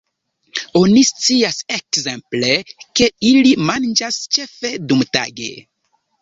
Oni scias ekzemple, ke ili manĝas ĉefe dumtage.